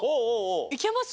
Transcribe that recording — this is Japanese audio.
いけます？